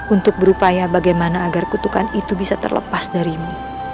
untuk berupaya bagaimana agar kutukan itu bisa terlepas darimu